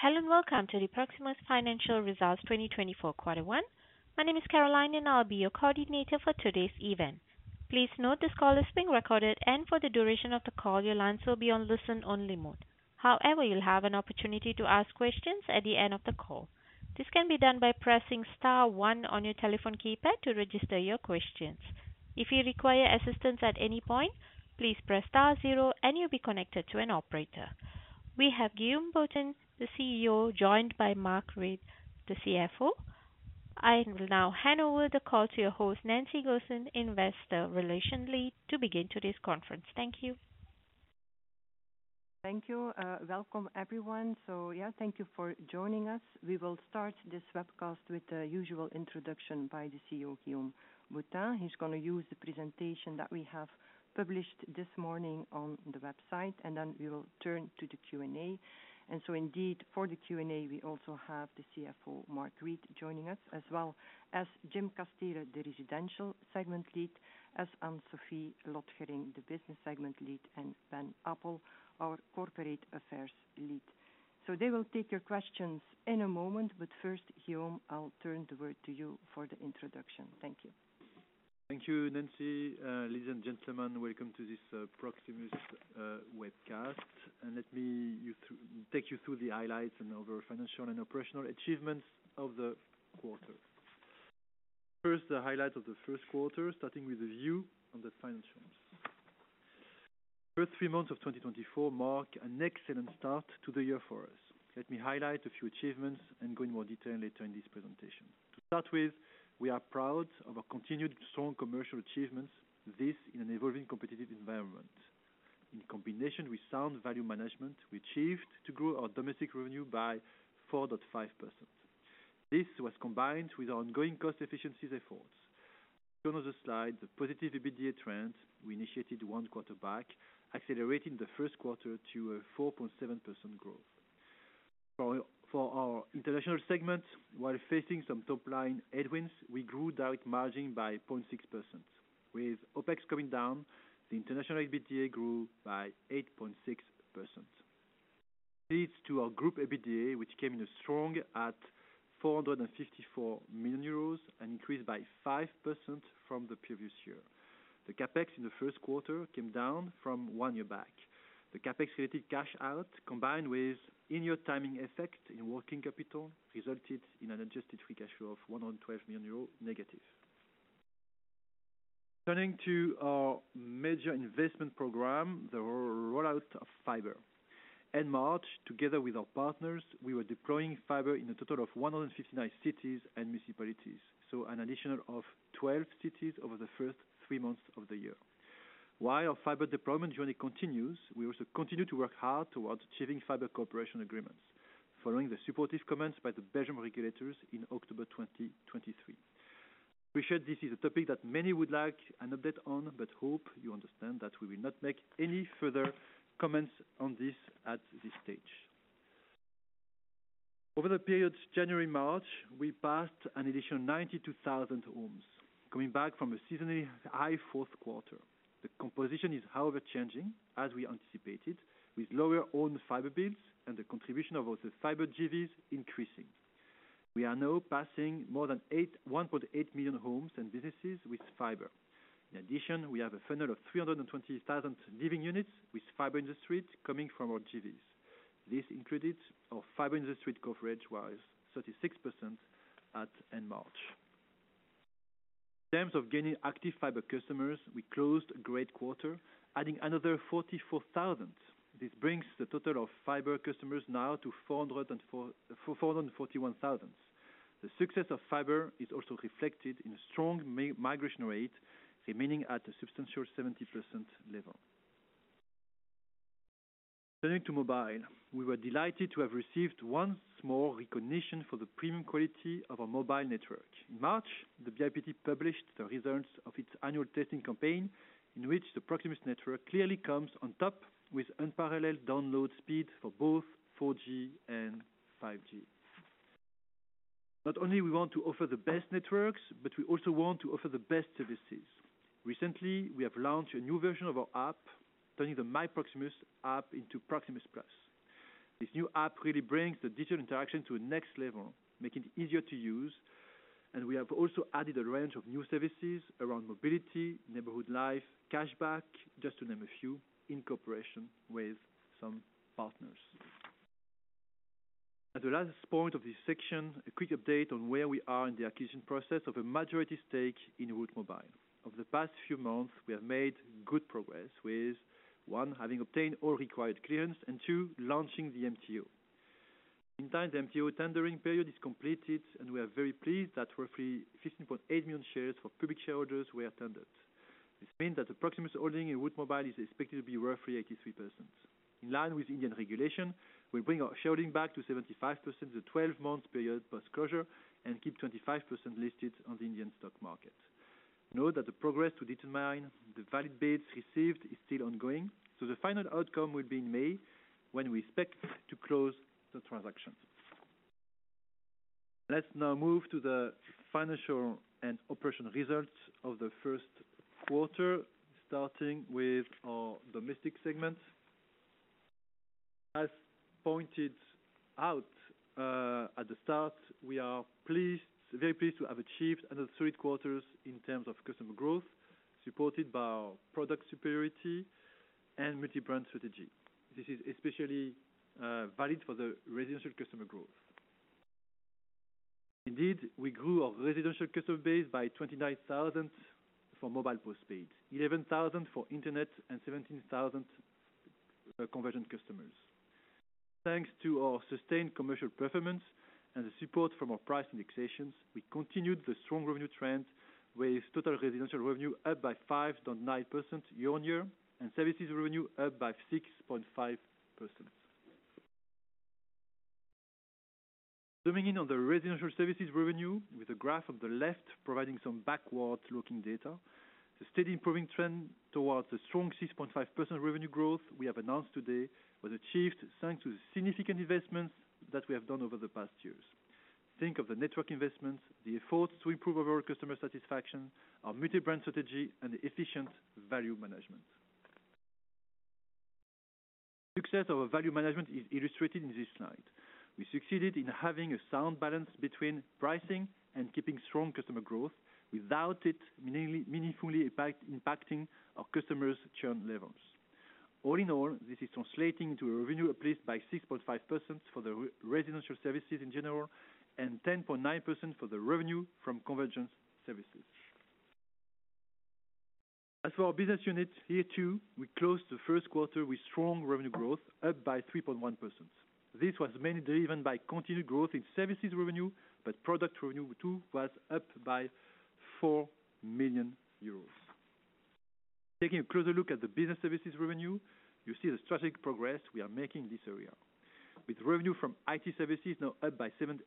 Hello, and welcome to the Proximus Financial Results 2024 Quarter One. My name is Caroline, and I'll be your coordinator for today's event. Please note this call is being recorded, and for the duration of the call, your lines will be on listen-only mode. However, you'll have an opportunity to ask questions at the end of the call. This can be done by pressing star one on your telephone keypad to register your questions. If you require assistance at any point, please press star zero, and you'll be connected to an operator. We have Guillaume Boutin, the CEO, joined by Mark Reid, the CFO. I will now hand over the call to your host, Nancy Goossens, Investor Relations Lead, to begin today's conference. Thank you. Thank you. Welcome, everyone. So yeah, thank you for joining us. We will start this webcast with the usual introduction by the CEO, Guillaume Boutin. He's gonna use the presentation that we have published this morning on the website, and then we will turn to the Q&A. And so indeed, for the Q&A, we also have the CFO, Mark Reid, joining us, as well as Jim Casteele, the Residential Segment Lead, as Anne-Sophie Lotgering, the Business Segment Lead, and Ben Appel, our Corporate Affairs Lead. So they will take your questions in a moment, but first, Guillaume, I'll turn the word to you for the introduction. Thank you. Thank you, Nancy. Ladies and gentlemen, welcome to this Proximus webcast. Let me take you through the highlights and overview of financial and operational achievements of the quarter. First, the highlight of the first quarter, starting with a view on the financials. First three months of 2024 mark an excellent start to the year for us. Let me highlight a few achievements and go in more detail later in this presentation. To start with, we are proud of our continued strong commercial achievements, this in an evolving competitive environment. In combination with sound value management, we achieved to grow our domestic revenue by 4.5%. This was combined with ongoing cost efficiencies efforts. Shown on the slide, the positive EBITDA trend we initiated one quarter back, accelerating in the first quarter to a 4.7% growth. For our international segment, while facing some top line headwinds, we grew direct margin by 0.6%. With OpEx coming down, the international EBITDA grew by 8.6%. Leads to our group EBITDA, which came in strong at 454 million euros, an increase by 5% from the previous year. The CapEx in the first quarter came down from one year back. The CapEx related cash out, combined with in-year timing effect in working capital, resulted in an adjusted free cash flow of negative 112 million euro. Turning to our major investment program, the rollout of fiber. In March, together with our partners, we were deploying fiber in a total of 159 cities and municipalities, so an additional of 12 cities over the first three months of the year. While our fiber deployment journey continues, we also continue to work hard towards achieving fiber cooperation agreements, following the supportive comments by the Belgian regulators in October 2023. We shared this is a topic that many would like an update on, but hope you understand that we will not make any further comments on this at this stage. Over the period, January, March, we passed an additional 92,000 homes, coming back from a seasonally high fourth quarter. The composition is, however, changing as we anticipated, with lower own fiber builds and the contribution of our fiber JVs increasing. We are now passing more than 1.8 million homes and businesses with fiber. In addition, we have a funnel of 320,000 living units with fiber in the street coming from our JVs. This included our fiber-in-the-street coverage was 36% at end March. In terms of gaining active fiber customers, we closed a great quarter, adding another 44,000. This brings the total of fiber customers now to 441,000. The success of fiber is also reflected in a strong migration rate, remaining at a substantial 70% level. Turning to mobile, we were delighted to have received once more recognition for the premium quality of our mobile network. In March, the BIPT published the results of its annual testing campaign, in which the Proximus network clearly comes on top with unparalleled download speed for both 4G and 5G. Not only we want to offer the best networks, but we also want to offer the best services. Recently, we have launched a new version of our app, turning the MyProximus app into Proximus Plus. This new app really brings the digital interaction to the next level, making it easier to use, and we have also added a range of new services around mobility, neighborhood life, cashback, just to name a few, in cooperation with some partners. At the last point of this section, a quick update on where we are in the acquisition process of a majority stake in Route Mobile. Over the past few months, we have made good progress with, one, having obtained all required clearance, and two, launching the MTO. In time, the MTO tendering period is completed, and we are very pleased that roughly 15.8 million shares for public shareholders were tendered. This means that the Proximus holding in Route Mobile is expected to be roughly 83%. In line with Indian regulation, we bring our sharing back to 75%, the 12-month period post-closure, and keep 25% listed on the Indian stock market. Note that the progress to determine the valid bids received is still ongoing, so the final outcome will be in May, when we expect to close the transaction.... Let's now move to the financial and operational results of the first quarter, starting with our domestic segment. As pointed out at the start, we are pleased, very pleased to have achieved another three quarters in terms of customer growth, supported by our product superiority and multi-brand strategy. This is especially valid for the residential customer growth. Indeed, we grew our residential customer base by 29,000 for mobile postpaid, 11,000 for internet, and 17,000 conversion customers. Thanks to our sustained commercial performance and the support from our price indexations, we continued the strong revenue trend with total residential revenue up by 5.9% year-on-year, and services revenue up by 6.5%. Zooming in on the residential services revenue, with a graph on the left providing some backward-looking data. The steady improving trend towards the strong 6.5% revenue growth we have announced today was achieved thanks to the significant investments that we have done over the past years. Think of the network investments, the efforts to improve overall customer satisfaction, our multi-brand strategy, and the efficient value management. Success of our value management is illustrated in this slide. We succeeded in having a sound balance between pricing and keeping strong customer growth, without it meaningfully impacting our customers' churn levels. All in all, this is translating to a revenue uplift by 6.5% for the residential services in general, and 10.9% for the revenue from convergence services. As for our business unit, here, too, we closed the first quarter with strong revenue growth, up by 3.1%. This was mainly driven by continued growth in services revenue, but product revenue, too, was up by 4 million euros. Taking a closer look at the business services revenue, you see the strategic progress we are making in this area. With revenue from IT services now up by 7.8%,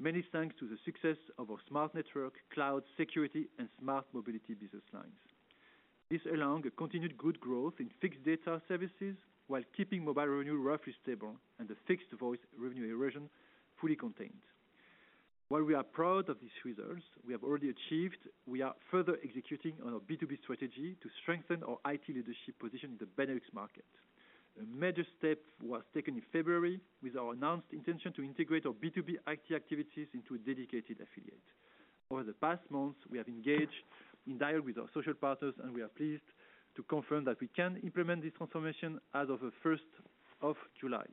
many thanks to the success of our smart network, cloud security, and smart mobility business lines. This, along with a continued good growth in fixed data services, while keeping mobile revenue roughly stable and the fixed voice revenue erosion fully contained. While we are proud of these results we have already achieved, we are further executing on our B2B strategy to strengthen our IT leadership position in the Benelux market. A major step was taken in February with our announced intention to integrate our B2B IT activities into a dedicated affiliate. Over the past months, we have engaged in dialogue with our social partners, and we are pleased to confirm that we can implement this transformation as of the first of July.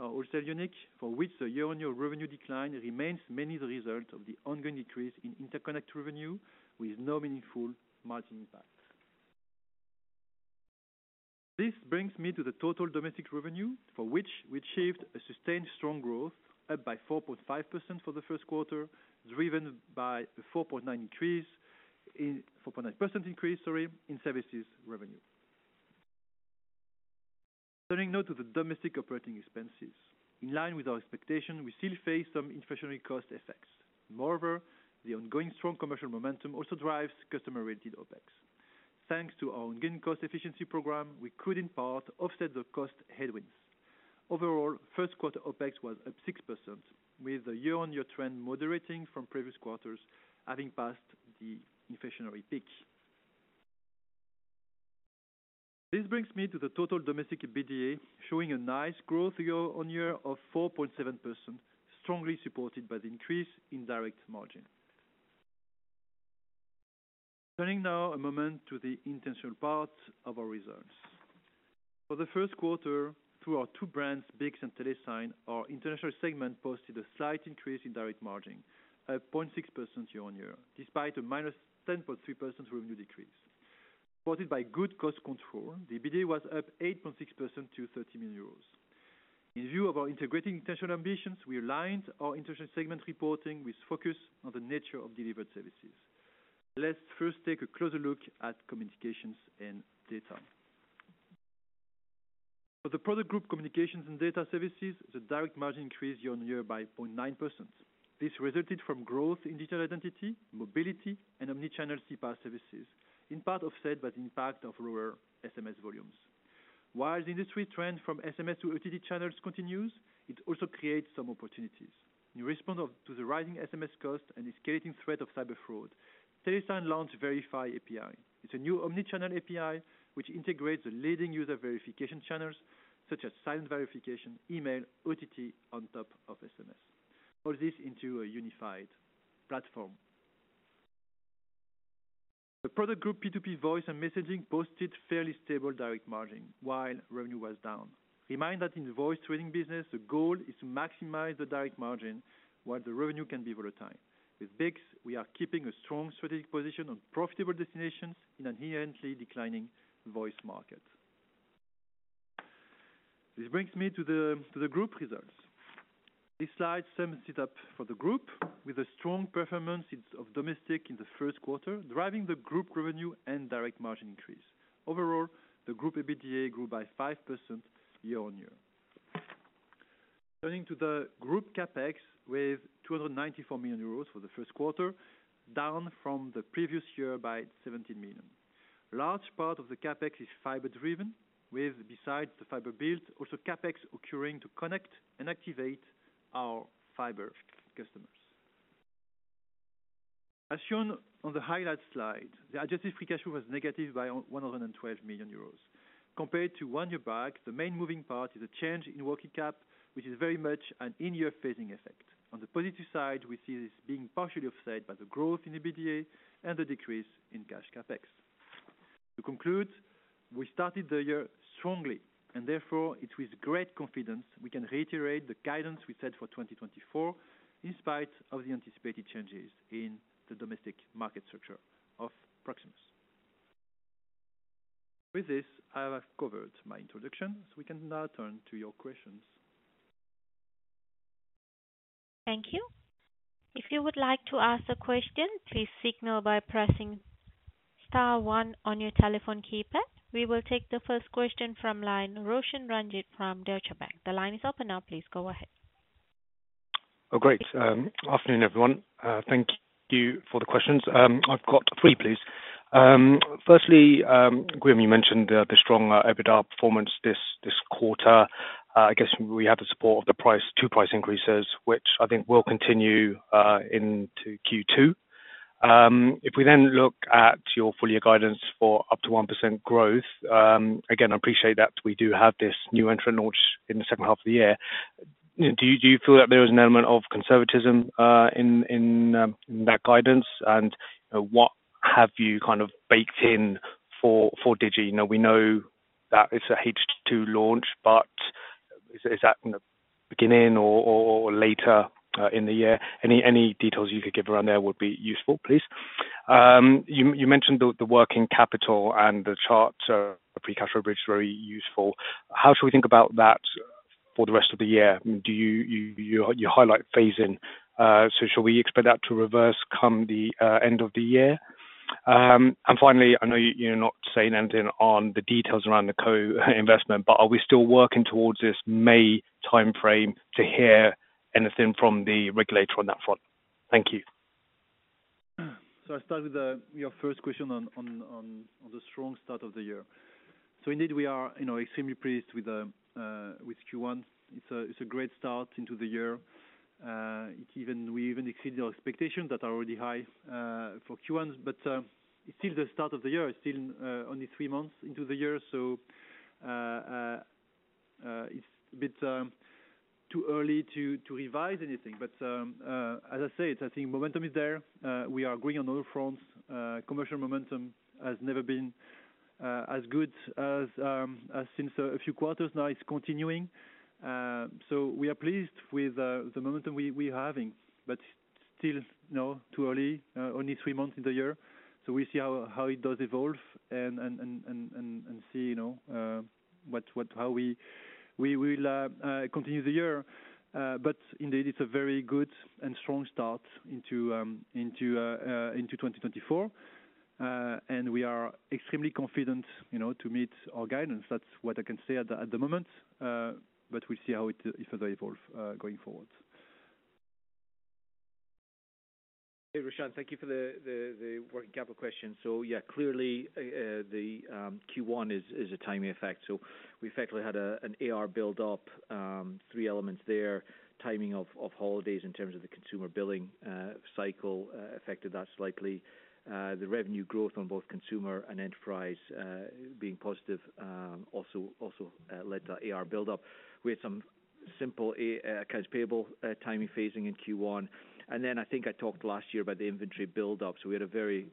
Finally, our wholesale unit, for which the year-on-year revenue decline remains mainly the result of the ongoing decrease in interconnect revenue, with no meaningful margin impact. This brings me to the total domestic revenue, for which we achieved a sustained strong growth, up by 4.5% for the first quarter, driven by a 4.9% increase, sorry, in services revenue. Turning now to the domestic operating expenses. In line with our expectation, we still face some inflationary cost effects. Moreover, the ongoing strong commercial momentum also drives customer-related OpEx. Thanks to our ongoing cost efficiency program, we could in part offset the cost headwinds. Overall, first quarter OpEx was up 6%, with the year-on-year trend moderating from previous quarters, having passed the inflationary peak. This brings me to the total domestic EBITDA, showing a nice growth year-on-year of 4.7%, strongly supported by the increase in direct margin. Turning now a moment to the international part of our results. For the first quarter, through our two brands, BICS and Telesign, our international segment posted a slight increase in direct margin of 0.6% year-on-year, despite a -10.3% revenue decrease. Supported by good cost control, the EBITDA was up 8.6% to 30 million euros. In view of our integrating international ambitions, we aligned our international segment reporting with focus on the nature of delivered services. Let's first take a closer look at communications and data. For the product group, communications and data services, the direct margin increased year-on-year by 0.9%. This resulted from growth in digital identity, mobility, and omni-channel CPaaS services, in part offset by the impact of lower SMS volumes. While the industry trend from SMS to OTT channels continues, it also creates some opportunities. In response to the rising SMS cost and the escalating threat of cyber fraud, Telesign launched Verify API. It's a new omni-channel API, which integrates the leading user verification channels, such as SIM verification, email, OTT on top of SMS, all this into a unified platform. The product group, P2P voice and messaging, posted fairly stable direct margin, while revenue was down. Remind that in the voice trading business, the goal is to maximize the direct margin, while the revenue can be volatile. With BICS, we are keeping a strong strategic position on profitable destinations in an inherently declining voice market. This brings me to the group results. This slide sums it up for the group, with a strong performance in domestic in the first quarter, driving the group revenue and direct margin increase. Overall, the group EBITDA grew by 5% year-on-year. Turning to the group CapEx with 294 million euros for the first quarter, down from the previous year by 17 million. Large part of the CapEx is fiber-driven, with besides the fiber build, also CapEx occurring to connect and activate our fiber customers. As shown on the highlight slide, the adjusted free cash flow was negative by 112 million euros. Compared to one year back, the main moving part is a change in working cap, which is very much an in-year phasing effect. On the positive side, we see this being partially offset by the growth in the EBITDA and the decrease in cash CapEx. To conclude, we started the year strongly, and therefore, it's with great confidence we can reiterate the guidance we set for 2024, in spite of the anticipated changes in the domestic market structure of Proximus. With this, I have covered my introduction, so we can now turn to your questions. Thank you. If you would like to ask a question, please signal by pressing star one on your telephone keypad. We will take the first question from line, Roshan Ranjit from Deutsche Bank. The line is open now, please go ahead. Oh, great. Afternoon, everyone. Thank you for the questions. I've got three, please. Firstly, Guillaume, you mentioned the strong EBITDA performance this quarter. I guess we have the support of the price, two price increases, which I think will continue into Q2. If we then look at your full year guidance for up to 1% growth, again, I appreciate that we do have this new entrant launch in the second half of the year. Do you feel that there is an element of conservatism in that guidance? And what have you kind of baked in for Digi? Now, we know that it's a H2 launch, but is that in the beginning or later in the year? Any details you could give around there would be useful, please. You mentioned the working capital and the charts, free cash flow bridge, very useful. How should we think about that for the rest of the year? Do you highlight phasing? So should we expect that to reverse come the end of the year? And finally, I know you're not saying anything on the details around the co-investment, but are we still working towards this May timeframe to hear anything from the regulator on that front? Thank you. So I'll start with your first question on the strong start of the year. So indeed, we are, you know, extremely pleased with Q1. It's a great start into the year. We even exceeded our expectations that are already high for Q1, but it's still the start of the year. It's still only three months into the year, so it's a bit too early to revise anything. But as I said, I think momentum is there. We are growing on all fronts. Commercial momentum has never been as good as since a few quarters now, it's continuing. So we are pleased with the momentum we're having, but still, you know, too early, only three months in the year. So we see how it does evolve and see, you know, what, how we will continue the year. But indeed, it's a very good and strong start into 2024. And we are extremely confident, you know, to meet our guidance. That's what I can say at the moment, but we'll see how it further evolve going forward. Hey, Roshan, thank you for the working capital question. So yeah, clearly, the Q1 is a timing effect. So we effectively had an AR build up, three elements there. Timing of holidays in terms of the consumer billing cycle affected that slightly. The revenue growth on both consumer and enterprise being positive also led to AR build up. We had some AP, a cash payable timing phasing in Q1. And then, I think I talked last year about the inventory build up. So we had a very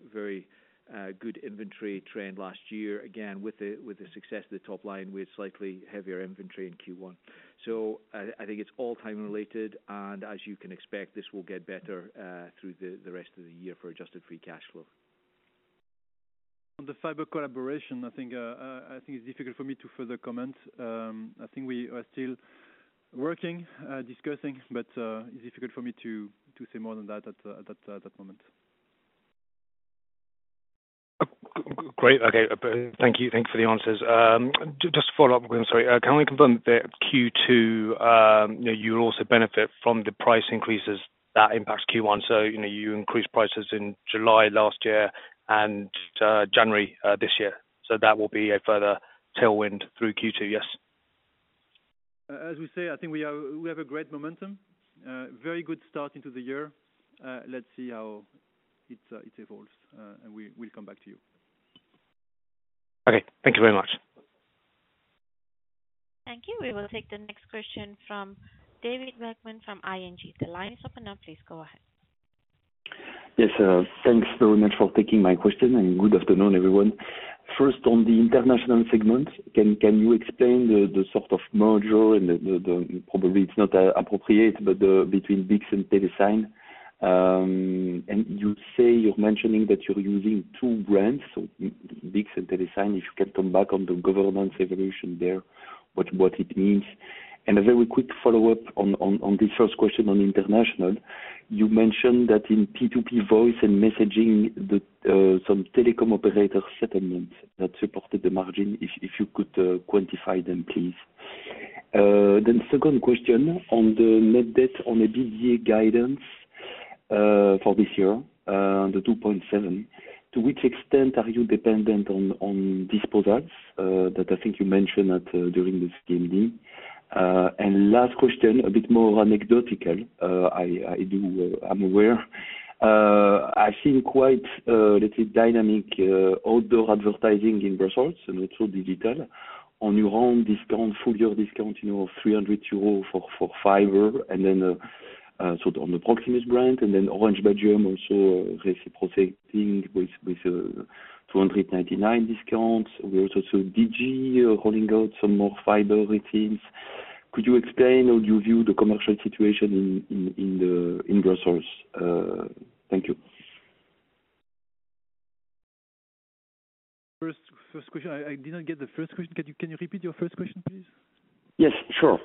good inventory trend last year. Again, with the success of the top line, we had slightly heavier inventory in Q1. So I think it's all timing related, and as you can expect, this will get better through the rest of the year for adjusted free cash flow. On the fiber collaboration, I think it's difficult for me to further comment. I think we are still working, discussing, but it's difficult for me to say more than that at that moment. Great. Okay. Thank you. Thank you for the answers. Just to follow up, Guillaume, sorry, can we confirm that Q2, you know, you'll also benefit from the price increases that impacts Q1? So, you know, you increased prices in July last year and, January, this year. So that will be a further tailwind through Q2, yes? As we say, I think we have a great momentum, very good start into the year. Let's see how it evolves, and we'll come back to you. Okay. Thank you very much. Thank you. We will take the next question from David Vagman from ING. The line is open now, please go ahead. Yes, thanks very much for taking my question, and good afternoon, everyone. First, on the international segment, can you explain the sort of model and the -- probably it's not appropriate, but, between BICS and Telesign, and you say you're mentioning that you're using two brands, so BICS and Telesign. If you can come back on the governance evolution there, what it means? And a very quick follow-up on this first question on international. You mentioned that in P2P voice and messaging, the some telecom operator settlement that supported the margin, if you could quantify them, please?... Then second question on the net debt on a EBITDA guidance, for this year, the 2.7, to which extent are you dependent on, on these proceeds, that I think you mentioned at, during this CMD? And last question, a bit more anecdotally, I do, I'm aware. I've seen quite, let's say dynamic, outdoor advertising in Brussels, and it's all digital. On your own discount, full year discount, you know, 300 euros for, for fiber, and then, so on the Proximus brand, and then Orange Belgium also reciprocating with, with, 299 discounts. We also saw Digi, rolling out some more fiber routes. Could you explain how you view the commercial situation in Brussels? Thank you. First question. I didn't get the first question. Can you repeat your first question, please? Yes, sure.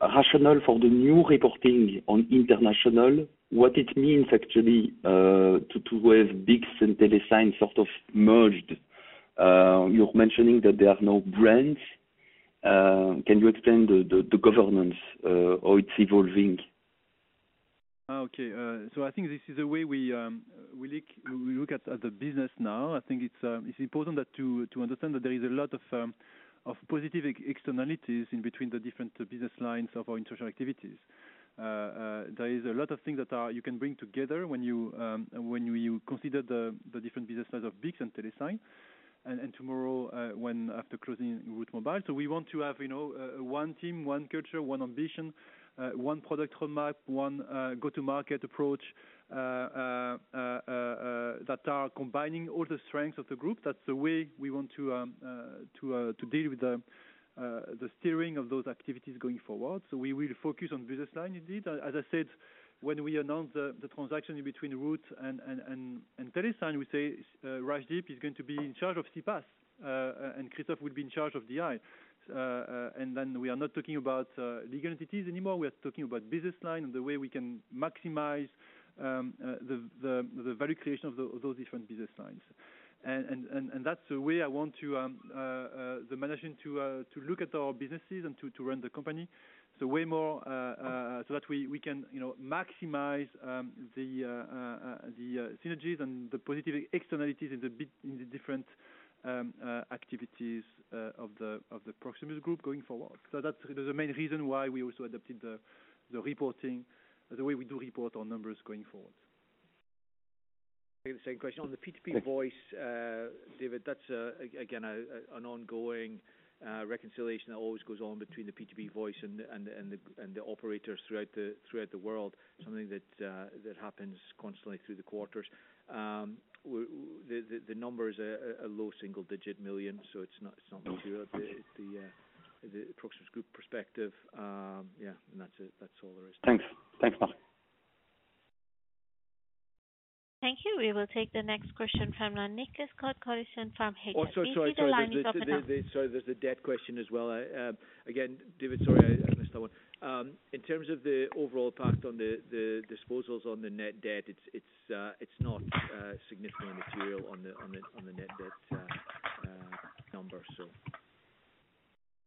Rationale for the new reporting on international, what it means actually to have BICS and Telesign sort of merged. You're mentioning that there are no brands. Can you explain the governance, or it's evolving? So I think this is a way we look at the business now. I think it's important to understand that there is a lot of positive externalities in between the different business lines of our international activities. There is a lot of things that you can bring together when you consider the different business lines of BICS and Telesign, and tomorrow, when after closing Route Mobile. So we want to have, you know, one team, one culture, one ambition, one product roadmap, one go-to-market approach that are combining all the strengths of the group. That's the way we want to deal with the steering of those activities going forward. So we will focus on business line, indeed. As I said, when we announce the transaction between Route and TeleSign, we say, Rajdip is going to be in charge of CPaaS, and Christophe will be in charge of DI. And then we are not talking about legal entities anymore. We are talking about business line and the way we can maximize the value creation of those different business lines. And that's the way I want the management to look at our businesses and to run the company. So way more, so that we can, you know, maximize the synergies and the positive externalities in the different activities of the Proximus group going forward. So that's the main reason why we also adapted the reporting, the way we do report our numbers going forward. The same question. On the P2P voice, David, that's again, an ongoing reconciliation that always goes on between the P2P voice and the operators throughout the world. Something that happens constantly through the quarters. The number is a low single-digit million EUR, so it's not material at the Proximus group perspective. Yeah, and that's it. That's all there is to it. Thanks. Thanks, Mark. Thank you. We will take the next question from Nicolas Cote-Colisson from HSBC. Oh, sorry, sorry. Sorry, there's the debt question as well. I, again, David, sorry, I missed that one. In terms of the overall impact on the disposals on the net debt, it's not significantly material on the net debt number, so.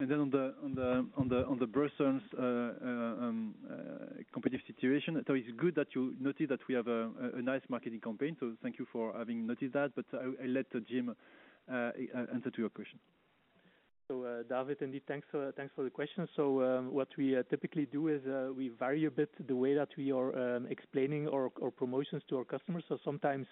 And then on the Brussels company situation, so it's good that you noted that we have a nice marketing campaign, so thank you for having noticed that. But I'll let Jim answer your question. So, David, indeed, thanks for the question. So, what we typically do is we vary a bit the way that we are explaining our promotions to our customers. So sometimes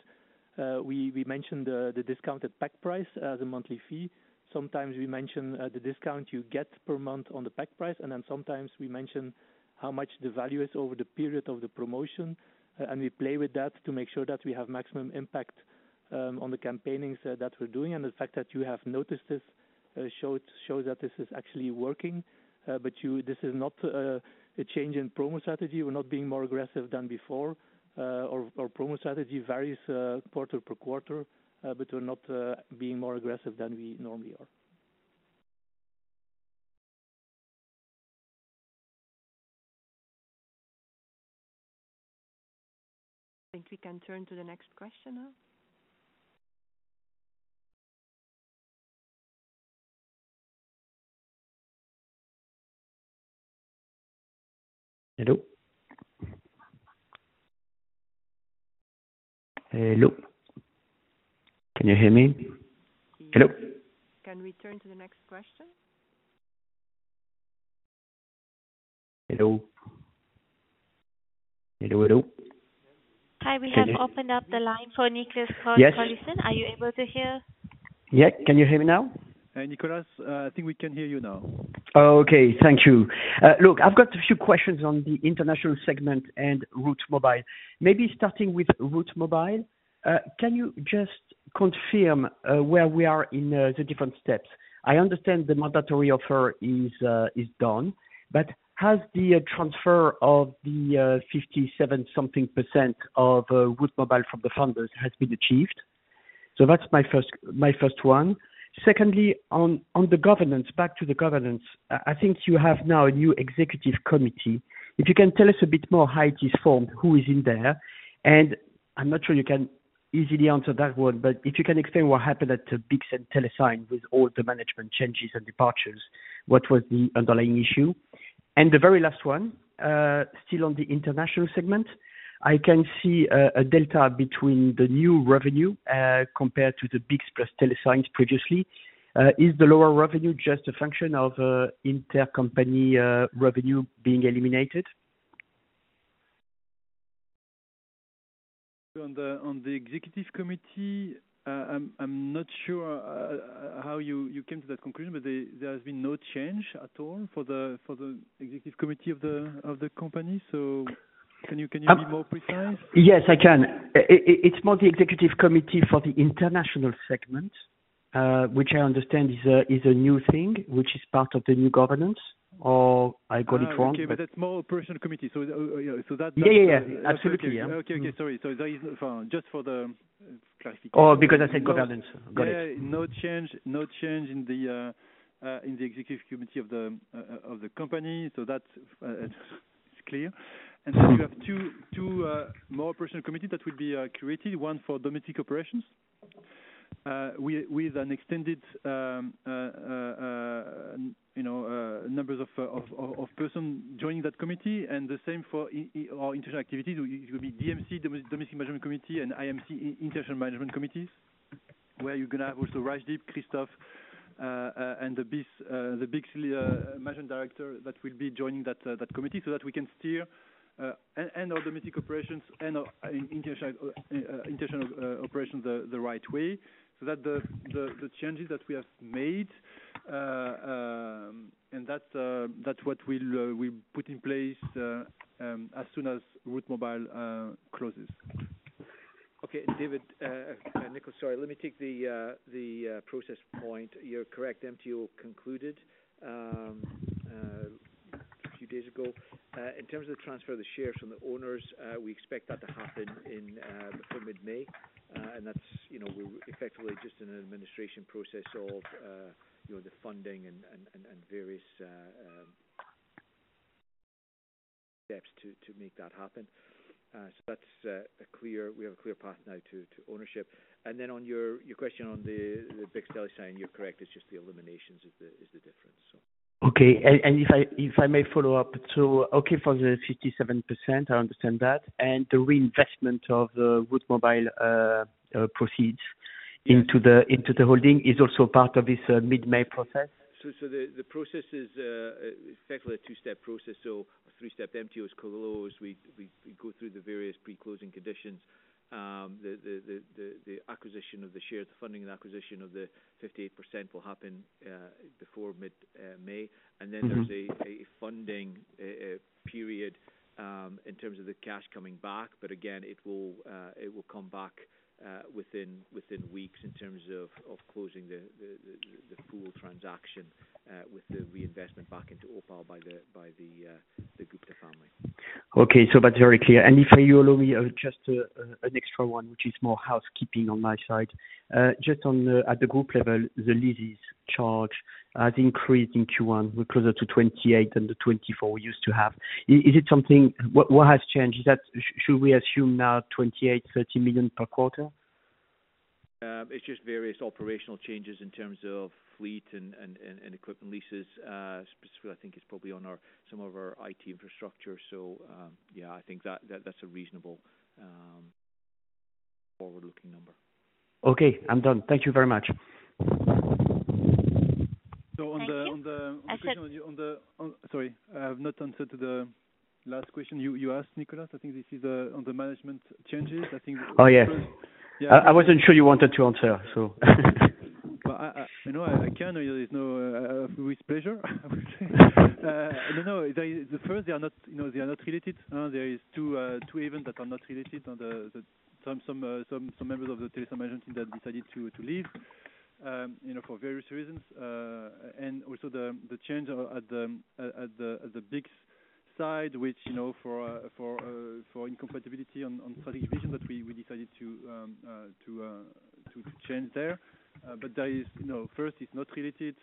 we mention the discounted pack price, the monthly fee. Sometimes we mention the discount you get per month on the pack price, and then sometimes we mention how much the value is over the period of the promotion. And we play with that to make sure that we have maximum impact on the campaigns that we're doing. And the fact that you have noticed this shows that this is actually working. But you—this is not a change in promo strategy. We're not being more aggressive than before, our promo strategy varies quarter by quarter, but we're not being more aggressive than we normally are. I think we can turn to the next question now. Hello? Hello, can you hear me? Hello. Can we turn to the next question? Hello. Hello, hello. Hi. We have opened up the line for Nicolas Cote-Colisson. Yes. Are you able to hear? Yeah, can you hear me now? Nicholas, I think we can hear you now. Oh, okay. Thank you. Look, I've got a few questions on the international segment and Route Mobile. Maybe starting with Route Mobile, can you just confirm where we are in the different steps? I understand the mandatory offer is done, but has the transfer of the 57-something% of Route Mobile from the founders been achieved? So that's my first one. Secondly, on the governance, back to the governance, I think you have now a new executive committee. If you can tell us a bit more how it is formed, who is in there, and I'm not sure you can easily answer that one, but if you can explain what happened at the BICS and Telesign with all the management changes and departures, what was the underlying issue? The very last one, still on the international segment, I can see a delta between the new revenue compared to the BICS plus Telesign previously. Is the lower revenue just a function of intercompany revenue being eliminated? On the executive committee, I'm not sure how you came to that conclusion, but there has been no change at all for the executive committee of the company. So can you be more precise? Yes, I can. It's more the executive committee for the international segment, which I understand is a new thing, which is part of the new governance, or I got it wrong? Okay. But that's more operational committee, so, you know, so that- Yeah. Yeah. Yeah. Absolutely. Yeah. Okay. Okay. Sorry. So there is for, just for the classic- Oh, because I said governance. Got it. Yeah, no change, no change in the executive committee of the company. So that's clear. And so you have two more personnel committees that will be created, one for domestic operations with an extended, you know, number of persons joining that committee, and the same for international activities. It will be DMC, Domestic Management Committee, and IMC, International Management Committees, where you're gonna have also Rajdeep, Christophe, and the BICS managing director that will be joining that committee, so that we can steer our domestic operations and our international operations, the changes that we have made, and that's what we'll put in place as soon as Route Mobile closes. Okay, David, Nicholas, sorry, let me take the process point. You're correct. MTO concluded a few days ago. In terms of the transfer of the shares from the owners, we expect that to happen before mid-May. And that's, you know, we're effectively just an administration process of the funding and various steps to make that happen. So that's a clear... We have a clear path now to ownership. And then on your question on the BICS, Telesign, you're correct, it's just the eliminations is the difference, so. Okay. And if I may follow up, so okay, for the 57%, I understand that, and the reinvestment of the Route Mobile proceeds- Yeah into the holding is also part of this mid-May process? So, the process is effectively a two-step process, so a three-step MTO is closed. We go through the various pre-closing conditions. The acquisition of the share, the funding and acquisition of the 58% will happen before mid-May. Mm-hmm. And then there's a funding period in terms of the cash coming back, but again, it will come back within weeks in terms of closing the full transaction with the reinvestment back into Opal by the Gupta family. Okay. So that's very clear. And if you allow me just an extra one, which is more housekeeping on my side. Just on the, at the group level, the leases charge has increased in Q1 with closer to 28 million and the 24 million we used to have. Is it something... What has changed? Is that, should we assume now 28-30 million per quarter? It's just various operational changes in terms of fleet and equipment leases, specifically, I think it's probably on some of our IT infrastructure. So, yeah, I think that's a reasonable forward-looking number. Okay, I'm done. Thank you very much. So on the- Thank you. On the, sorry, I have not answered the last question you asked, Nicolas. I think this is on the management changes. I think- Oh, yes. Yeah. I wasn't sure you wanted to answer, so Well, I you know, I can. There is no with pleasure, I would say. No, the first, they are not, you know, they are not related. There is two event that are not related on the some members of the Telesign agency that decided to leave, you know, for various reasons. And also the change at the BICS side, which, you know, for incompatibility on strategic vision, that we decided to change there. But there is, you know, first it's not related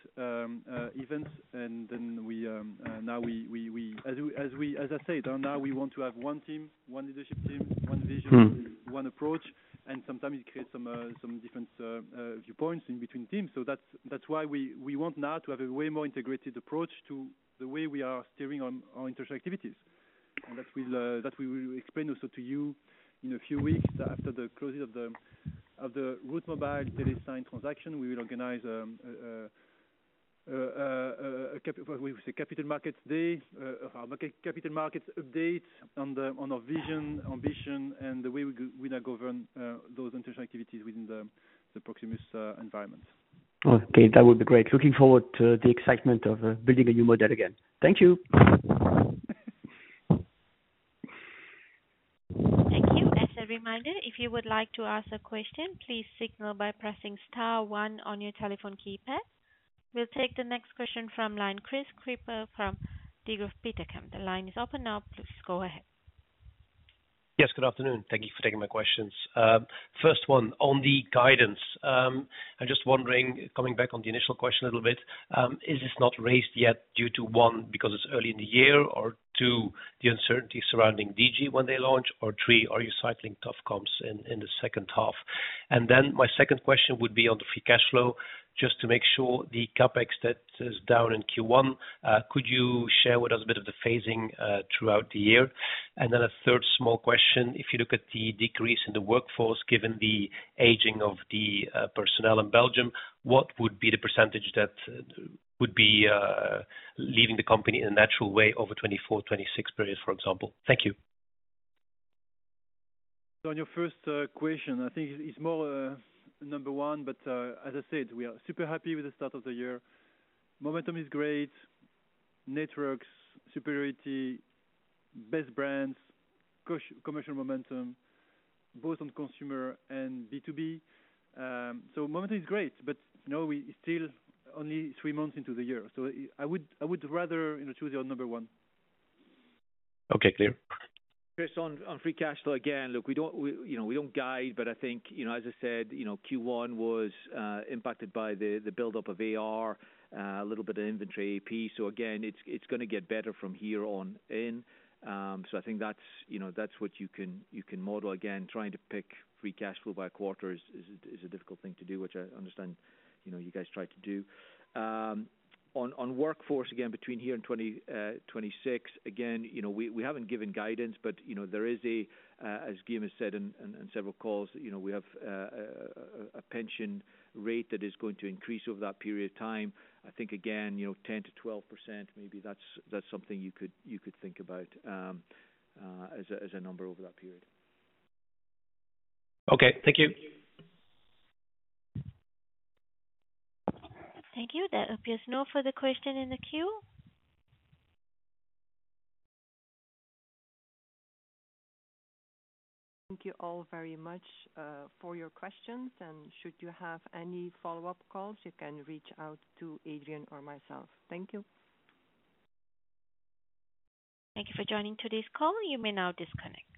events. And then we, now we as I said, now we want to have one team, one leadership team, one vision- Mm-hmm... one approach, and sometimes it creates some different viewpoints in between teams. So that's why we want now to have a way more integrated approach to the way we are steering on our internal activities. And that will, that we will explain also to you in a few weeks after the closing of the Route Mobile, Telesign transaction, we will organize a Capital Markets Day, our capital markets update on our vision, ambition, and the way we now govern those internal activities within the Proximus environment. Okay, that would be great. Looking forward to the excitement of building a new model again. Thank you. Thank you. As a reminder, if you would like to ask a question, please signal by pressing star one on your telephone keypad. We'll take the next question from line, Kris Kippers from Degroof Petercam. The line is open now, please go ahead. Yes, good afternoon. Thank you for taking my questions. First one, on the guidance, I'm just wondering, coming back on the initial question a little bit, is this not raised yet due to one, because it's early in the year, or two, the uncertainty surrounding Digi when they launch, or three, are you cycling tough comps in the second half? Then my second question would be on the free cash flow, just to make sure the CapEx that is down in Q1, could you share with us a bit of the phasing throughout the year? Then a third small question, if you look at the decrease in the workforce, given the aging of the personnel in Belgium, what would be the percentage that would be leaving the company in a natural way over 2024-2026 period, for example? Thank you. So on your first question, I think it's more number one, but as I said, we are super happy with the start of the year. Momentum is great, networks, superiority, best brands, co-commercial momentum, both on consumer and B2B. So momentum is great, but you know, we still only three months into the year, so I would, I would rather you know, choose your number one. Okay, clear. Chris, on free cash flow, again, look, we don't guide, but I think, you know, as I said, you know, Q1 was impacted by the buildup of AR, a little bit of inventory AP. So again, it's gonna get better from here on in. So I think that's, you know, that's what you can model. Again, trying to pick free cash flow by quarter is a difficult thing to do, which I understand, you know, you guys try to do. On workforce, again, between here and 2026, again, you know, we haven't given guidance, but, you know, there is a, as Guillaume has said in several calls, you know, we have a pension rate that is going to increase over that period of time. I think, again, you know, 10%-12%, maybe that's, that's something you could, you could think about, as a, as a number over that period. Okay, thank you. Thank you. There appears no further question in the queue. Thank you all very much, for your questions, and should you have any follow-up calls, you can reach out to Adrien or myself. Thank you. Thank you for joining today's call. You may now disconnect.